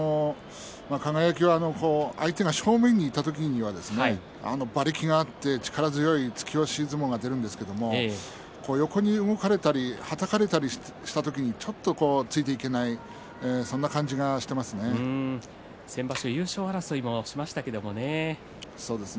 輝は相手の正面にいった時には馬力があって力強い突き押し相撲が出るんですが横に動かれたりはたかれたりした時にちょっとついていけない先場所、優勝争いもそうですね